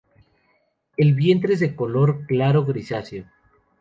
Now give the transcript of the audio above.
El vientre es de color claro grisáceo.